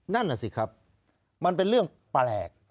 นั่นน่ะสิครับมันเป็นเรื่องแปลก